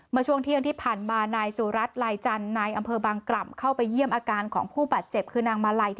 เมื่อช่วงเที่ยงที่พันธุ์มานายสุรัสร์ไลจันทร์อยู่ในอำเภอกรรมเข้าไปเยี่ยมอาการของผู้บาดเจ็บคือนางมาลัย